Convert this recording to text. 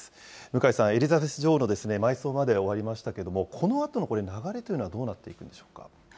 向井さん、エリザベス女王の埋葬まで終わりましたけれども、このあとの流れというのは、どうなっていくんでしょうか。